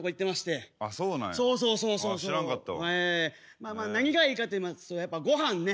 まあまあ何がいいかって言いますとやっぱごはんね。